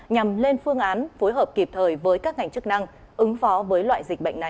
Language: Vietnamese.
nhằm lên phương án phối hợp kịp thời